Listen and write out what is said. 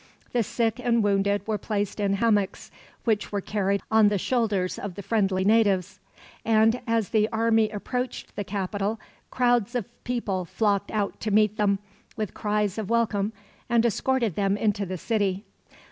The sick and wounded were placed in hammocks, which were carried on the shoulders of the friendly natives; and as the army approached the capital, crowds of people flocked out to meet them, with cries of welcome, and escorted them into the city.